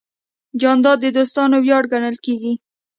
جانداد د دوستانو ویاړ ګڼل کېږي.